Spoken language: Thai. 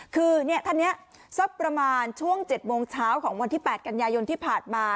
คือท่านนี้สักประมาณช่วง๗โมงเช้าของวันที่๘กันยายนที่ผ่านมา